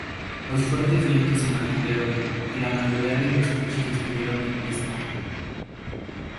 Los fuertes vientos se mantuvieron y la mayoría de los coches estuvieron en pista.